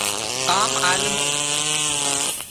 ڪام آليون